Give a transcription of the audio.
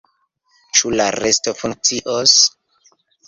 Ĉu la resto funkcios?